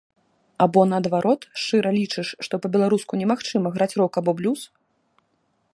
Або, наадварот, шчыра лічыш, што па-беларуску немагчыма граць рок або блюз?